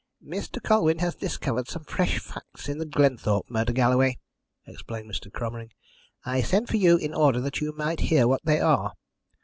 "Mr. Colwyn has discovered some fresh facts in the Glenthorpe murder, Galloway," explained Mr. Cromering. "I sent for you in order that you might hear what they are."